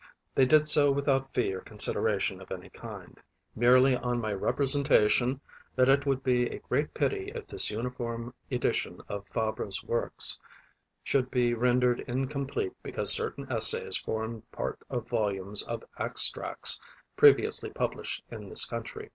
They did so without fee or consideration of any kind, merely on my representation that it would be a great pity if this uniform edition of Fabre's Works should be rendered incomplete because certain essays formed part of volumes of extracts previously published in this country.